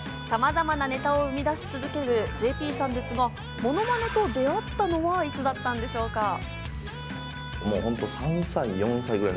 さまざまなネタを生み出し続けるＪＰさんですが、ものまねと出会ったのはいつだったんでしょうか？